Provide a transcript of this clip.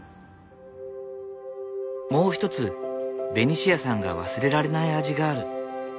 もう一つベニシアさんが忘れられない味がある。